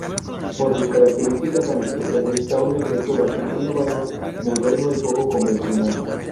Por sus características tan especiales, da un efecto bastante innovador, moderno y poco convencional.